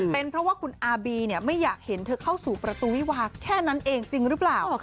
เป็นเพราะว่าคุณอาบีไม่อยากเห็นเธอเข้าสู่ประตูวิวาแค่นั้นเองจริงหรือเปล่า